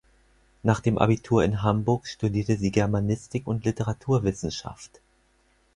Nach dem Abitur in Hamburg studierte sie Germanistik und Literaturwissenschaft.